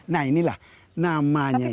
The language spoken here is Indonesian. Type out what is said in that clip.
nah inilah namanya ini